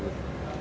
terima kasih ya